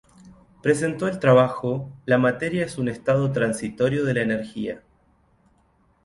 Presentó el trabajo "La materia es un estado transitorio de la energía".